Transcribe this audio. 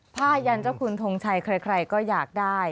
ยันเจ้าคุณทงชัยใครก็อยากได้